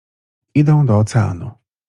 Idą do Oceanu.